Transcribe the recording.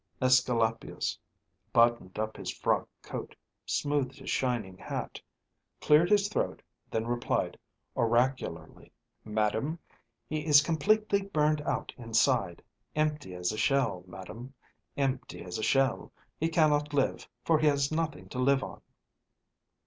AEsculapius buttoned up his frock coat, smoothed his shining hat, cleared his throat, then replied oracularly, "Madam, he is completely burned out inside. Empty as a shell, madam, empty as a shell. He cannot live, for he has nothing to live on."